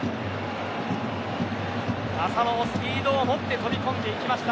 浅野もスピードを持って飛び込んでいきました。